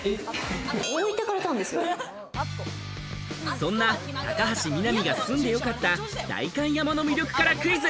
そんな高橋みなみが住んでよかった代官山の魅力からクイズ。